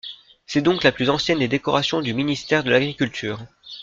C’est donc la plus ancienne des décorations du ministère de l'Agriculture.